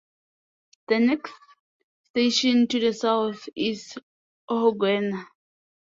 The next station to the south is Ohangwena.